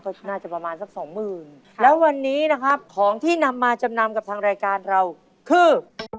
ก็น่าจะประมาณสักสองหมื่นแล้ววันนี้นะครับของที่นำมาจำนำกับทางรายการเราคือ